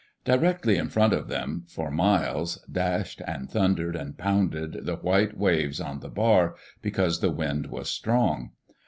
Directly in front of them, for miles, dashed and thun dered and pounded the white waves on the bar, because the wind was strong.